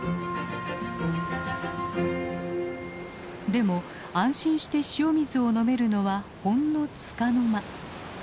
でも安心して塩水を飲めるのはほんのつかの間。